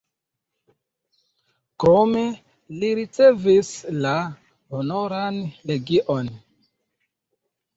Krome li ricevis la Honoran Legion.